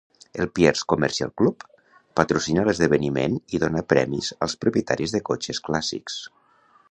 El Pierz Commercial Club patrocina l'esdeveniment i dóna premis als propietaris de cotxes clàssics.